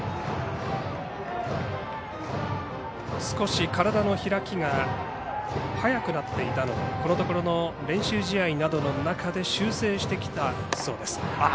少し体の開きが早くなっていたのをこのところの練習試合などの中で修正してきたそうです。